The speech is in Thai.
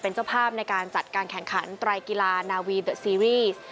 เป็นเจ้าภาพในการจัดการแข่งขันไตรกีฬานาวีเดอะซีรีส์